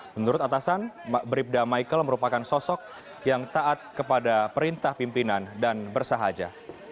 menurut atasan bribda michael merupakan sosok yang taat kepada perintah pimpinan dan bersahaja